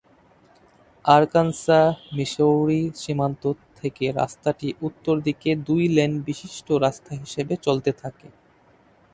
Arkansas-Missouri সীমান্ত থেকে রাস্তাটি উত্তরদিকে দুই-লেন বিশিষ্ট রাস্তা হিসেবে চলতে থাকে।